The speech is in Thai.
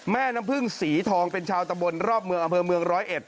แม่น้ำผึ้งสีทองเป็นชาวตะบลรอบเมืองอำเภอเมือง๑๐๑